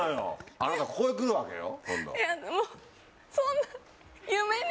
あなたここへ来るわけよ今度。